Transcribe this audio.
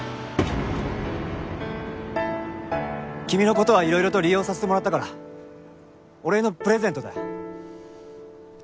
君の事はいろいろと利用させてもらったからお礼のプレゼントだよ。